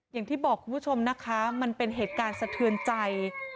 อย่างที่บอกคุณผู้ชมนะคะมันเป็นเหตุการณ์สะเทือนใจ